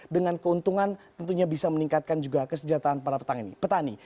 dengan keuntungan tentunya bisa meningkatkan juga kesejahteraan para petani